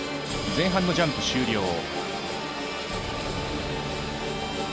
前半のジャンプ、終了。